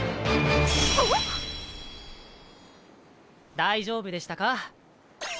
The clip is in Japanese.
大丈夫でしたか？